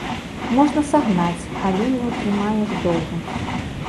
Можна сагнаць, але не ўтрымаеш доўга!